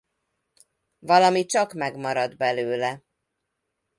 Valami csak megmarad belőle!